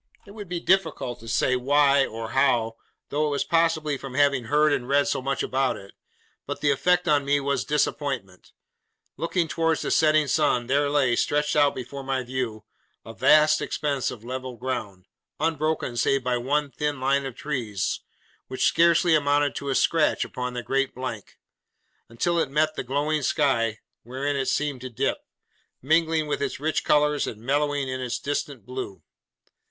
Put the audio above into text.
It would be difficult to say why, or how—though it was possibly from having heard and read so much about it—but the effect on me was disappointment. Looking towards the setting sun, there lay, stretched out before my view, a vast expanse of level ground; unbroken, save by one thin line of trees, which scarcely amounted to a scratch upon the great blank; until it met the glowing sky, wherein it seemed to dip: mingling with its rich colours, and mellowing in its distant blue.